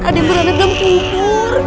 adik beranekan pukul